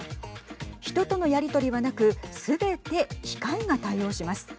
人とのやりとりはなくすべて機械が対応します。